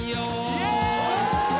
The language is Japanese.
・イエーイ！